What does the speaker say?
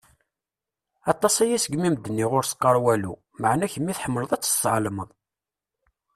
Aṭas-aya seg mi i m-d-nniɣ ur s-qqaṛ walu, meƐna kemmi tḥemmleɣ ad tt-tesƐelmeḍ.